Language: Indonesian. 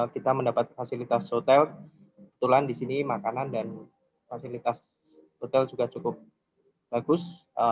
kita mendapat fasilitas hotel tulang disini makanan dan fasilitas hotel juga cukup bagus